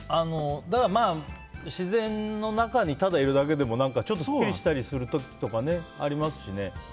自然の中にただいるだけでもちょっとすっきりしたりする時ありますしね。